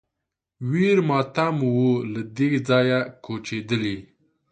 ویر ماتم و له دې ځایه کوچېدلی